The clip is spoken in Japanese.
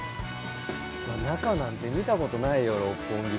中なんて見たことないよ六本木ヒルズの。